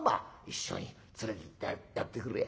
一緒に連れてってやってくれ。